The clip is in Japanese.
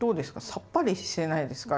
さっぱりしてないですか？